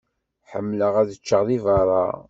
Ḥemmleɣ ad ččeɣ di berra.